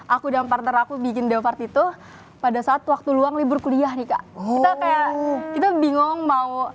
aku dan partner aku bikin the party tuh pada saat waktu luang libur kuliah nika oh itu bingung mau